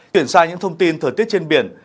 chuyển sang những thông tin thời tiết trên biển